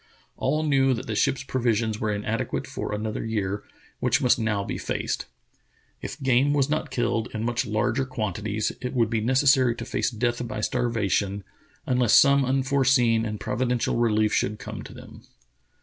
All knew that the ship's provisions were inadequate for another year, which must now be faced. If game was not killed in much larger quantities, it would be necessary to face death by starvation, unless some un foreseen and providential relief should come to them.